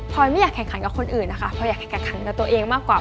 พอยไม่อยากแข่งขันกับคนอื่นนะคะพลอยอยากแข่งขันกับตัวเองมากกว่า